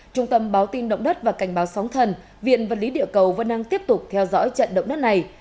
trung tâm báo tin động đất và cảnh báo sóng thần viện vật lý địa cầu vẫn đang tiếp tục theo dõi trận động đất này